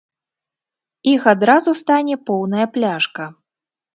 Іх адразу стане поўная пляшка.